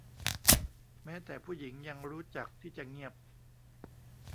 แม้แต่ผู้หญิงยังรู้จักที่จะเงียบ